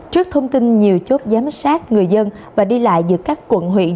trước thông tin nhiều chốt giám sát người dân và đi lại giữa các quận huyện